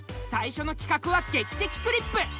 最初のきかくは「劇的クリップ」。